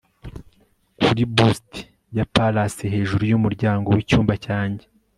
kuri busti ya pallas hejuru yumuryango wicyumba cyanjye